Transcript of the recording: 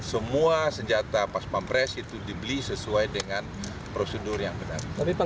semua senjata pas pampres itu dibeli sesuai dengan prosedur yang benar